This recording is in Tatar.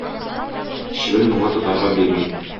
Чебен моңа тотарга бирми.